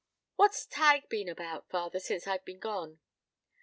What's Tige been about, father, since I've been gone?"